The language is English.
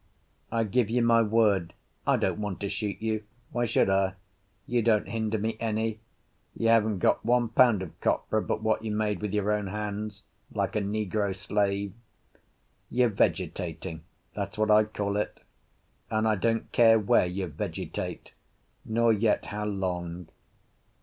I give you my word I don't want to shoot you. Why should I? You don't hinder me any. You haven't got one pound of copra but what you made with your own hands, like a negro slave. You're vegetating—that's what I call it—and I don't care where you vegetate, nor yet how long.